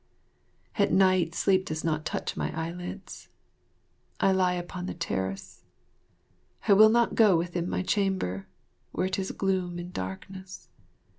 At night sleep does not touch my eyelids. I lie upon the terrace. I will not go within my chamber, where 'tis gloom and darkness.